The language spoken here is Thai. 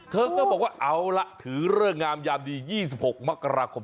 เธอก็บอกว่าเอาล่ะถือเลิกงามยามดี๒๖มกราคม